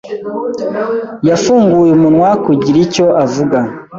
yafunguye umunwa kugira icyo avuga.